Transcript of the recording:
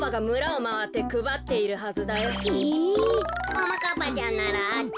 ももかっぱちゃんならあっち。